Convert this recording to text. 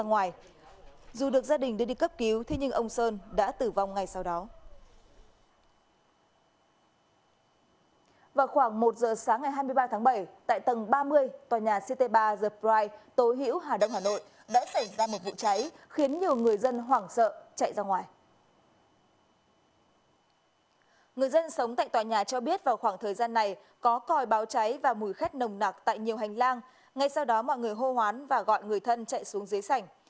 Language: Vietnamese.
người dân sống tại tòa nhà cho biết vào khoảng thời gian này có còi báo cháy và mùi khét nồng nạc tại nhiều hành lang ngay sau đó mọi người hô hoán và gọi người thân chạy xuống dưới sảnh